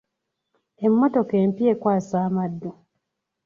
Emmotoka empya ekwasa amaddu.